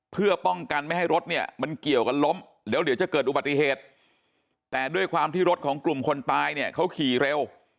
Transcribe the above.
เพื่อป้องกันไม่ให้รถเนี่ยมันเกี่ยวกันล้มเดี๋ยวจะเกิดอุบัติเหตุแต่ด้วยความที่รถของกลุ่มคนตายเนี่ยเขาขี่เร็ว